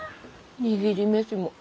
握り飯も。